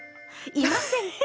いませんか？